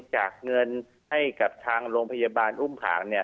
ให้กับทางโรงพยาบาลอุ้มผัง